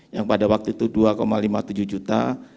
yang pada waktu itu dua lima puluh tujuh juta